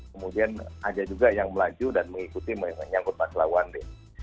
kemudian ada juga yang melaju dan mengikuti menyambut masyarakat lawan